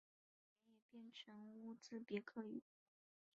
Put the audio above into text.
他们语言也变成乌兹别克语。